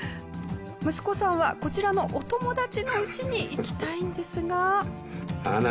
息子さんはこちらのお友達の家に行きたいんですが。